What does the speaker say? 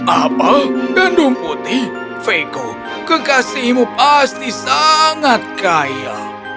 apa gandum putih viko kekasihmu pasti sangat kaya